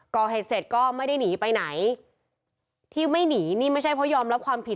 ก่อเหตุเสร็จก็ไม่ได้หนีไปไหนที่ไม่หนีนี่ไม่ใช่เพราะยอมรับความผิด